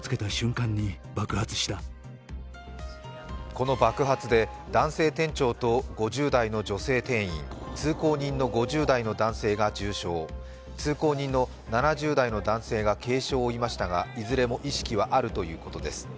この爆発で男性店長と５０代の女性店員通行人の５０代の男性が重傷、通行人の７０代の男性が軽傷を負いましたがいずれも意識はあるということです。